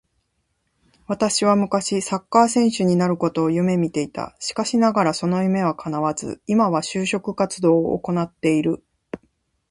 私は昔サッカー選手になることを夢見ていた。しかしながらその夢は叶わず、今は就職活動を行っている